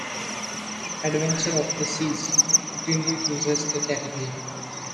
"Adventure of the Seas" routinely cruises the Caribbean.